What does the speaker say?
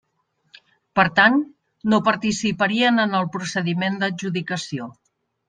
Per tant, no participarien en el procediment d'adjudicació.